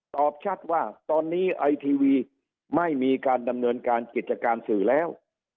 ตอบชัดว่าตอนนี้ไอทีวีไม่มีการดำเนินการกิจการสื่อแล้ว